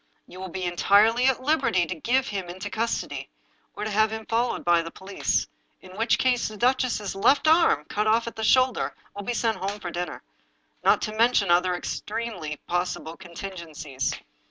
You will be entirely at liberty to give him into custody, or to have him followed by the police, in which case the duchess's left arm, cut off at the shoulder, will be sent home for dinner — not to mention other extremely possible contingencies.